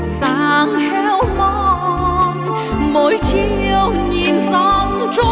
sáng héo mòn mỗi chiều nhìn dòng trôi